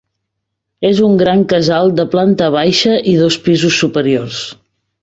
És un gran casal de planta baixa i dos pisos superiors.